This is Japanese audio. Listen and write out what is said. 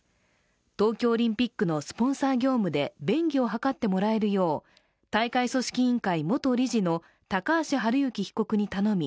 東京オリンピックのスポンサー業務で便宜を図ってもらえるよう大会組織委員会元理事の高橋治之被告に頼み